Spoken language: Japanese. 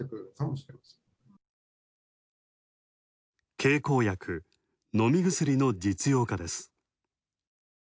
経口薬＝飲み薬の実用化です。